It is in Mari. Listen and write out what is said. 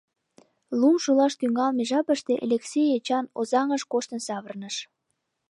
Лум шулаш тӱҥалме жапыште Элексей Эчан Озаҥыш коштын савырныш.